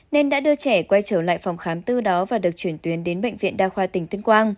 nên đã đưa trẻ quay trở lại phòng khám tư đó và được chuyển tuyến đến bệnh viện đa khoa tỉnh tuyên quang